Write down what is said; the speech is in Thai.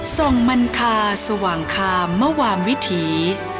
ส่งมันคาสว่างคามมวามวิถี